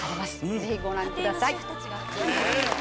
ぜひご覧ください。